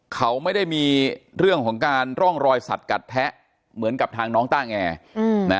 เขาไม่ได้มีเรื่องของการร่องรอยสัตว์กัดแทะเหมือนกับทางน้องต้าแง